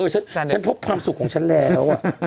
ฉันพบความสุขของฉันแล้ว